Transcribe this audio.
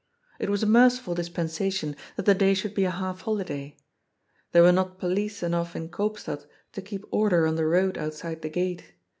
It was a mer ciful dispensation that the day should be a half holiday. There were not police enough in Koopstad to keep order on the road outside the gate.